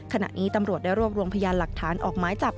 ขณะนี้ตำรวจได้รวบรวมพยานหลักฐานออกไม้จับ